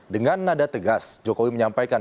dengan nada tegas jokowi menyampaikan